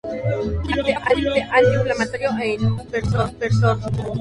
Actúa como antiinflamatorio e inmunosupresor.